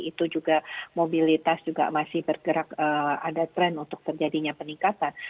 itu juga mobilitas juga masih bergerak ada tren untuk terjadinya peningkatan